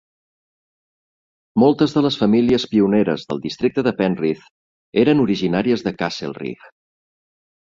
Moltes de les famílies pioneres del districte de Penrith eres originàries de Castlereagh.